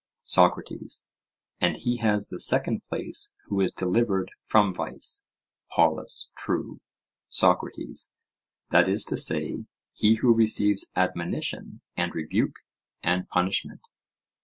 SOCRATES: And he has the second place, who is delivered from vice? POLUS: True. SOCRATES: That is to say, he who receives admonition and rebuke and punishment?